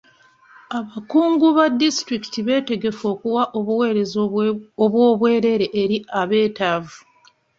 Abakungu ba disitulikiti beetegefu okuwa obuweereza obw'obwerere eri abeetaavu.